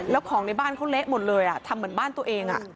แล้วของในบ้านเขาเละหมดเลยทำเหมือนบ้านตัวเอง